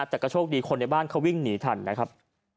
แต่ก็โชคดีคนในบ้านเขาวิ่งหนีทันนะครับ